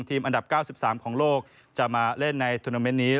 อันดับ๙๓ของโลกจะมาเล่นในทวนาเมนต์นี้